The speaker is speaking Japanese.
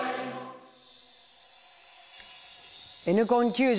「Ｎコン９０」。